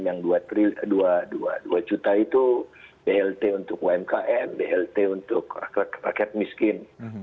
yang dua juta itu blt untuk umkm blt untuk rakyat miskin